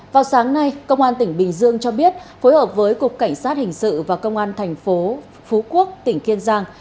vào sáng nay công an tỉnh bình dương cho biết phối hợp với cục cảnh sát hình sự và công an thành phố phú quốc tỉnh kiên giang